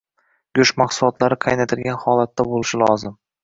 Goʻsht mahsulotlari qaynatilgan holatda boʻlishi lozim